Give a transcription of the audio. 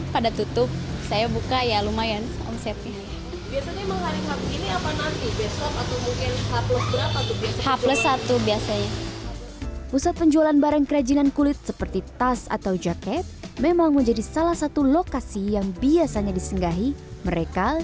pusat penjualan barang kerajinan kulit seperti tas atau jaket memang menjadi salah satu lokasi yang biasanya